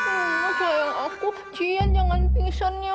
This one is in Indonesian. oh sayang aku kecian jangan pingsannya